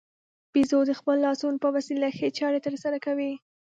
بیزو د خپلو لاسونو په وسیله ښې چارې ترسره کوي.